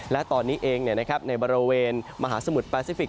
และตอนนี้เองในบริเวณมหาสมุทรแปซิฟิก